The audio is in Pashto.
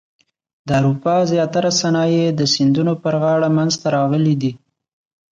د اروپا زیاتره صنایع د سیندونو پر غاړه منځته راغلي دي.